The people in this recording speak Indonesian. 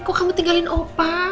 kok kamu tinggalin opah